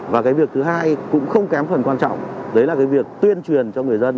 và cái việc thứ hai cũng không kém phần quan trọng đấy là cái việc tuyên truyền cho người dân